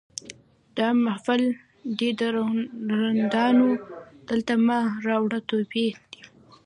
دا محفل دی د رندانو دلته مه راوړه توبې دي